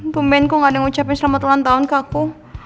pemain kok gak ada yang ngucapin selamat ulang tahun ke aku